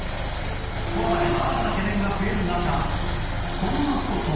コロナへの新たな懸念が増える中こんな事も